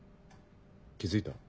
気付いた？